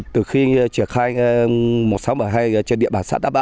từ khi triển khai một nghìn sáu trăm bảy mươi hai trên địa bàn xã tá bạ